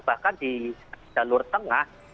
bahkan di jalur tengah